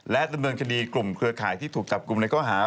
และดำเนินคดีกลุ่มเครือข่ายที่ถูกจับกลุ่มในข้อหา